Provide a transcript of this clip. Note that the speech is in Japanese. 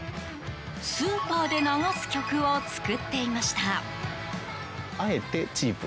スーパーで流す曲を作っていました。